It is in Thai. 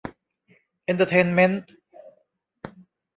เอนเตอร์เทนเมนท์